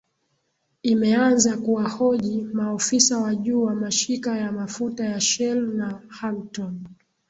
imeanza kuwahoji maofisa wa juu wa mashika ya mafuta ya shell na hagton